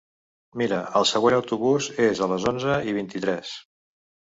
Mira, el següent autobús és a les onze i vint-i-tres.